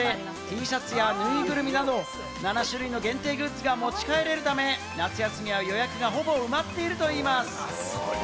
宿泊者の特典として、Ｔシャツやぬいぐるみなど７種類の限定グッズが持ち帰れるため、夏休みは予約がほぼ埋まっているといいます。